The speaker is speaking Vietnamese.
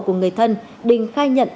của người thân đình khai nhận